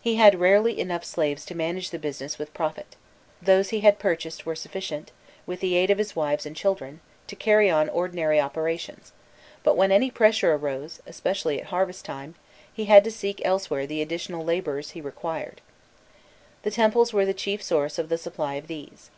He had rarely enough slaves to manage the business with profit: those he had purchased were sufficient, with the aid of his wives and children, to carry on ordinary operations, but when any pressure arose, especially at harvest time, he had to seek elsewhere the additional labourers he required. The temples were the chief sources for the supply of these.